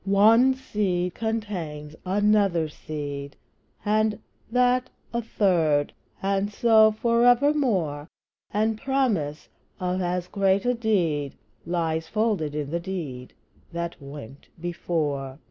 One seed contains another seed, And that a third, and so for evermore; And promise of as great a deed Lies folded in the deed that went before.